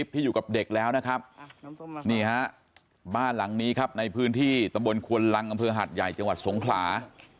บ้านหลังนี้ครับในพื้นที่ตะบลควลรังอำเภอหัดใหญ่จังหวัดสงขลา